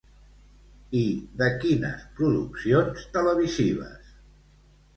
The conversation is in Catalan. I de quines produccions televisives?